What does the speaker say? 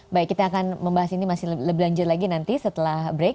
baik kita akan membahas ini masih lebih lanjut lagi nanti setelah break